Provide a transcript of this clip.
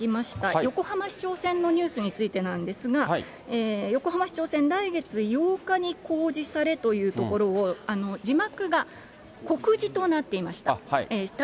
横浜市長選のニュースについてなんですが、横浜市長選、来月８日に公示されというところを、字幕が告示となっていました。